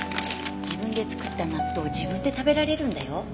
自分で作った納豆を自分で食べられるんだよ。